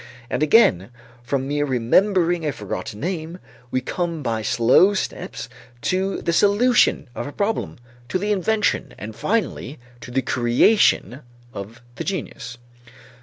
And again from mere remembering a forgotten name, we come by slow steps to the solution of a problem, to the invention, and finally to the creation of the genius.